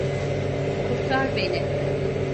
Kurtar beni!